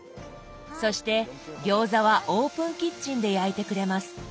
そして餃子はオープンキッチンで焼いてくれます。